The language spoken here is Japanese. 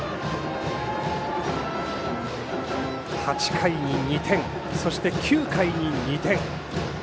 ８回に２点そして、９回に２点。